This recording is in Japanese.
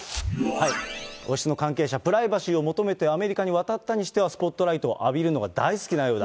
王室の関係者、プライバシーを求めてアメリカに渡ったにしては、スポットライトを浴びるのが大好きなようだ。